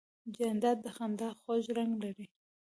جانداد د خندا خوږ رنګ لري.